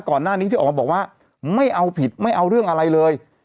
ก่อนหน้านี้ที่ออกมาบอกว่าไม่เอาผิดไม่เอาเรื่องอะไรเลย